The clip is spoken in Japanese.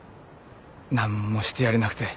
何もしてやれなくて。